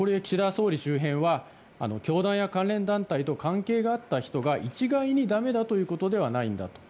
総理周辺は教団や関連団体と関係があった人が一概にだめだということではないんだと。